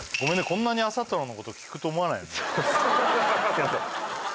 こんなに朝太郎のこと聞くと思わないねすいません